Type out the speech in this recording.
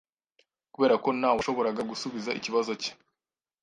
Kubera ko nta washoboraga gusubiza ikibazo cye